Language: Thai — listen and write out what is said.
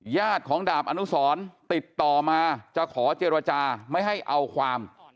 ญาติของดาบอนุสรติดต่อมาจะขอเจรจาไม่ให้เอาความ